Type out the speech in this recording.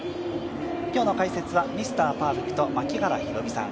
今日の解説は、ミスターパーフェクト・槙原寛己さん。